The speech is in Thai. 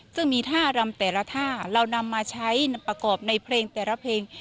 ซึ่งมีท่ารำแต่ละท่าเรานำมาใช้ประกอบในเพลงแต่ละเพลง